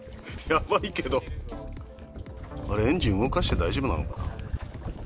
あれ、エンジン動かして大丈夫なのかな。